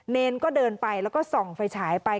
เนรก็เดินไปแล้วก็ส่องไฟฉายไป